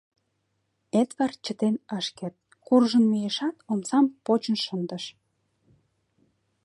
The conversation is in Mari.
Эдвард чытен ыш керт: куржын мийышат, омсам почын шындыш.